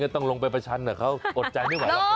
ก็ต้องลงไปประชันกับเขาอดใจได้ไหม